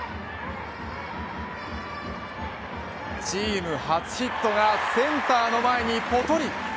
チーム初ヒットがセンターの前にぽとり。